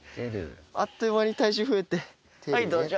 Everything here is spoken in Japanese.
あっという間に体重増えてはいどうじょ。